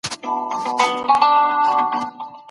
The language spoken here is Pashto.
ټولنپوهنه یو ډېر پخوانی شالید لري.